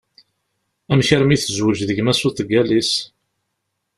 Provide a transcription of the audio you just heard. Amek armi tezweǧ d gma-s uḍeggal-is?